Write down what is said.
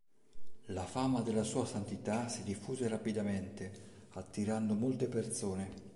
La fama della sua santità si diffuse rapidamente, attirando molte persone.